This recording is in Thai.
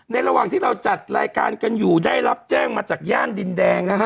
ระหว่างที่เราจัดรายการกันอยู่ได้รับแจ้งมาจากย่านดินแดงนะฮะ